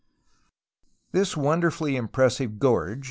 This wonderfully impressive gorge (Fig.